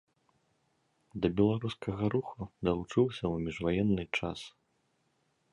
Да беларускага руху далучыўся ў міжваенны час.